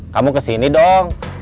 kamu kesini dong